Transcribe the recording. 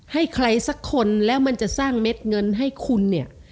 ให้ใครสักคนแล้วมันจะสร้างเม็ดเงินให้คุณเนี่ย